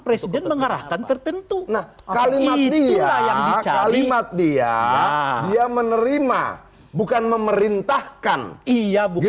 presiden mengarahkan tertentu nah kali ini ya lima dia dia menerima bukan memerintahkan iya bahwa